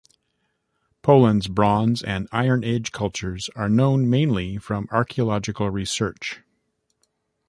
Poland's Bronze- and Iron-Age cultures are known mainly from archaeological research.